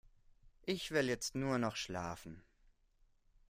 Ich will jetzt nur noch schlafen.